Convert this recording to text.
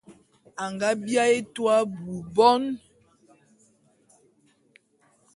A nga biaé etua abui bon.